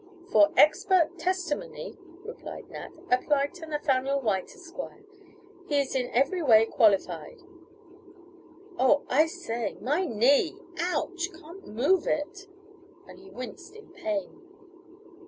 "For expert testimony," replied Nat, "apply to Nathaniel White, Esquire. He is in every way qualified Oh, I say, my knee! Ouch! Can't move it," and he winced in pain.